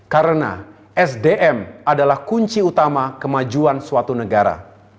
karena sdm adalah kunci utama kemajuan suatu negara